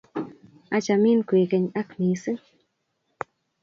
achamin kwekeny ak missing